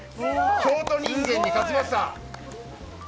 京都人間に勝ちました！